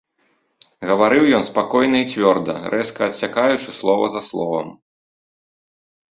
Гаварыў ён спакойна і цвёрда, рэзка адсякаючы слова за словам.